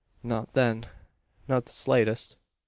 "Not then, not the slightest.